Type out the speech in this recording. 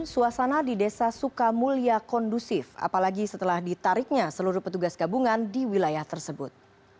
suasana di desa sukamulya kondusif apalagi setelah ditariknya seluruh petugas gabungan di wilayah tersebut